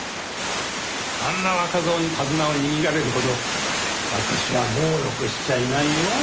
あんな若造に手綱を握られるほど私はもうろくしちゃいないよ。